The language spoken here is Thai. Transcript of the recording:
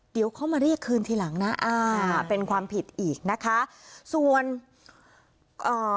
เดี๋ยวเขามาเรียกคืนทีหลังนะอ่าเป็นความผิดอีกนะคะส่วนเอ่อ